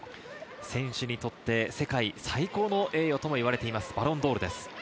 選手にとって世界最高の栄誉と言われているバロンドール。